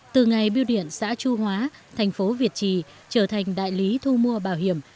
từ ngày biêu điện xã chu hóa thành phố việt trì trở thành đại lý thu mua bảo hiểm